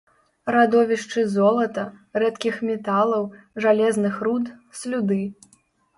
Радовішчы золата, рэдкіх металаў, жалезных руд, слюды.